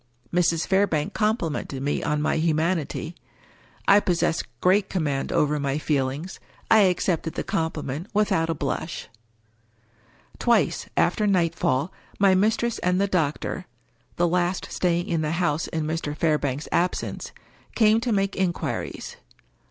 Mrs. Fairbank complimented me on my humanity. I pos sess great command over my feelings. I accepted the compliment without a blush. Twice, after nightfall, my mistress and the doctor (the last staying in the house in Mr. Fairbank's absence) came to make inquiries.